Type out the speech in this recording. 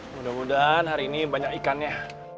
mudah mudahan hari ini banyak ikannya